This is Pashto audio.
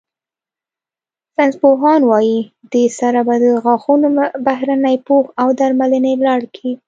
ساینسپوهان وايي، دې سره به د غاښونو بهرني پوښ او درملنې لړ کې